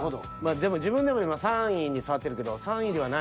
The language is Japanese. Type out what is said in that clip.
でも自分でも今３位に座ってるけどははははっ。